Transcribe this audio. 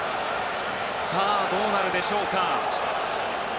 さあ、どうなるでしょうか。